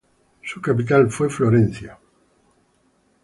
Su capital fue Florencia.